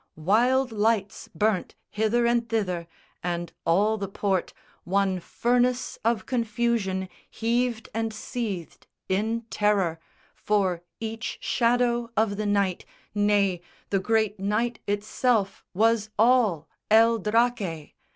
Wild lights burnt hither and thither, and all the port, One furnace of confusion, heaved and seethed In terror; for each shadow of the night, Nay, the great night itself, was all El Draque.